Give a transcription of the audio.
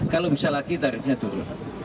kalau bisa lagi tarifnya dulu